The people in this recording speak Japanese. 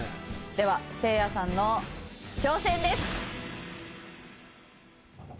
ではせいやさんの挑戦です。